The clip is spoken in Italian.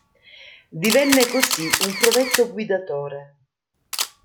Divenne così un provetto guidatore.